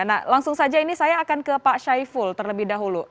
nah langsung saja ini saya akan ke pak syaiful terlebih dahulu